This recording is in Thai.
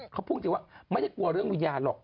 เขาพูดจริงว่าไม่ได้กลัวเรื่องวิญญาณหรอก